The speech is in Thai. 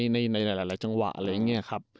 ในหลายจังหวะอะไรอย่างนี้ครับ